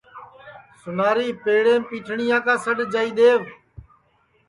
سُناری پیڑیم پیٹھٹؔیا کا سڈؔ جائی دؔیو